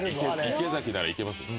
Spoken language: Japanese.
池崎ならいけますよ。